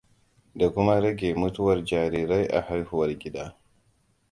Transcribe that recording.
Da kuma rage mutuwar jarirai a haihuwar gida.